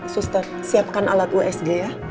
suster siapkan alat usg ya